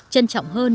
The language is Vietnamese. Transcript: trân trọng hơn